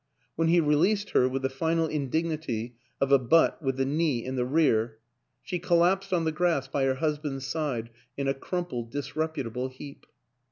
When he released her, with the final indignity of a butt with the knee in the rear, she collapsed on the grass by her husband's side in a crumpled, disreputable heap.